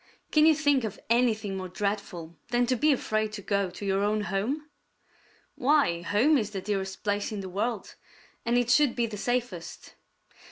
Can you think of anything more dreadful than to be afraid to go to your own home? Why, home is the dearest place in the world, and it should be the safest.